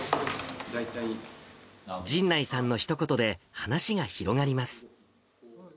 神内さんのひと言で、話が広がります。